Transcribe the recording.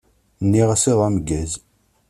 Nniɣ-as iḍ ameggaz.